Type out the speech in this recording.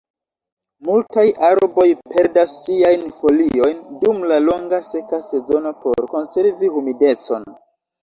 Multaj arboj perdas siajn foliojn dum la longa seka sezono por konservi humidecon.